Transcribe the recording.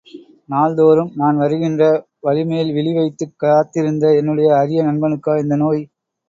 நாள் தோறும் நான் வருகின்ற வழி மேல் விழி வைத்துக் காத்திருந்த என்னுடைய அரிய நண்பனுக்கா இந்த நோய்?